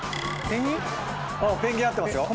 ペンギン合ってますよ。